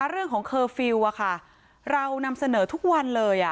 เคอร์ฟิลล์เรานำเสนอทุกวันเลย